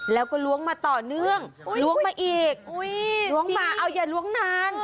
แล้วก็ล้วงมาต่อเนื่องล้วงมาอีกล้วงมาเอาอย่าล้วงนาน